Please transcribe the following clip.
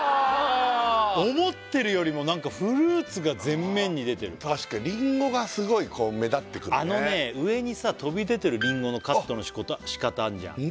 思ってるよりもフルーツが前面に出てる確かにリンゴがすごい目立ってくるね上にさ飛び出てるリンゴのカットのしかたあんじゃん